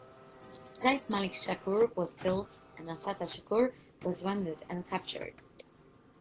Zayd Malik Shakur, was killed and Assata Shakur, was wounded and captured.